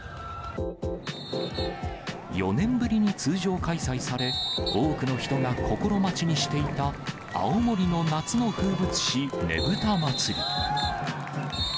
４年ぶりに通常開催され、多くの人が心待ちにしていた青森の夏の風物詩、ねぶた祭。